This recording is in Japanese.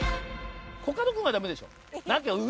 コカドくんはダメでしょ？